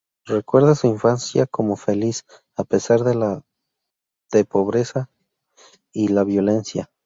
Recuerda su infancia como feliz, a pesar de la de pobreza y la violencia.